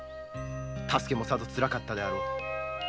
多助もさぞつらかったであろう。